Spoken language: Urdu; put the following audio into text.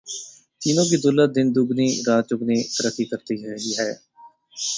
تینوں کی دولت دن دگنی رات چوگنی ترقی کرتی رہی ہے۔